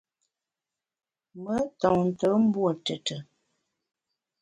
Me ntonte mbuo tùtù.